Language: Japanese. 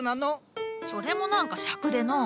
それも何かしゃくでのう。